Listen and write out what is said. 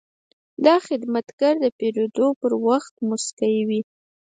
دا خدمتګر د پیرود پر وخت موسکی وي.